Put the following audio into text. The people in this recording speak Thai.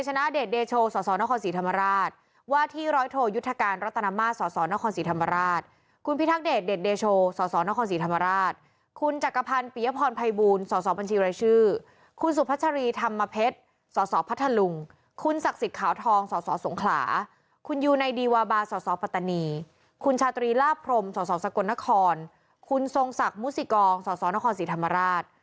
ศศสกลนครคุณทรงศักดิ์มูศิกองศศนครศรีธรรมราช